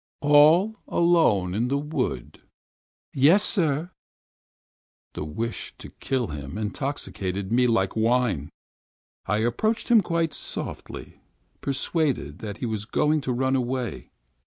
"All alone in the wood?" "Yes, sir." The wish to kill him intoxicated me like wine. I approached him quite softly, persuaded that he was going to run away.